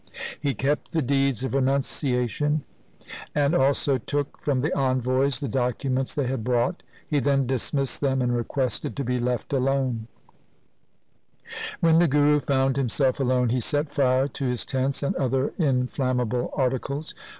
He kept the deeds of renunciation, and also took from the envoys the documents they had brought. He then dismissed them and requested to be left alone. LIFE OF GURU GOBIND SINGH 185 When the Guru found himself alone, he set fire to his tents and other inflammable articles.